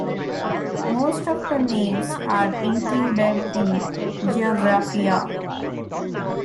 Most of the names are included in "Geographia".